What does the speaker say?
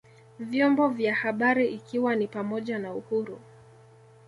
vyombo vya habari ikiwa ni pamoja na uhuru